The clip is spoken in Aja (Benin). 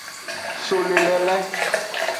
So le lele.